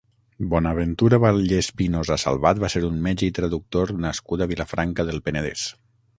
Bonaventura Vallespinosa Salvat va ser un metge i traductor nascut a Vilafranca del Penedès.